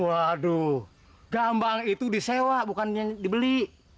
waduh gambang itu disewa bukan yang dibeli